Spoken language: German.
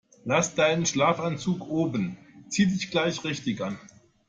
Lass deinen Schlafanzug oben, zieh dich gleich richtig an.